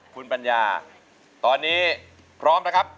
คุณปัญญาตอนนี้พร้อมนะครับ